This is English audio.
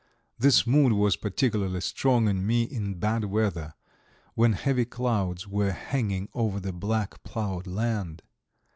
This mood was particularly strong in me in bad weather, when heavy clouds were hanging over the black ploughed land.